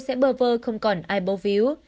sẽ bờ vơ không còn ai bố víu